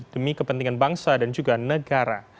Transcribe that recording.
demi kepentingan bangsa dan juga negara